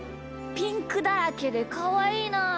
ピンクだらけでかわいいなあ。